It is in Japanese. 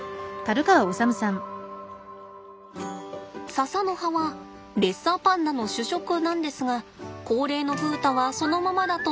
笹の葉はレッサーパンダの主食なんですが高齢の風太はそのままだと食べづらいんです。